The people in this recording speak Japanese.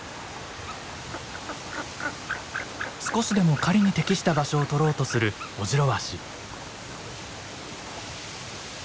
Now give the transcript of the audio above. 少しでも狩りに適した場所を取ろうとするオジロワシ。